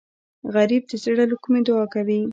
غریب د زړه له کومي دعا کوي